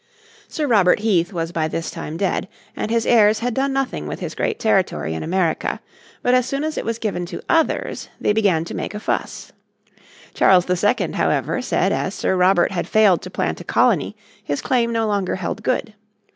Sir Robert Heath was by this time dead, and his heirs had done nothing with his great territory in America, but as soon as it was given to others they began to make a fuss. Charles II, however, said as Sir Robert had failed to plant a colony his claim no longer held good.